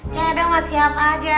cado ga siap aja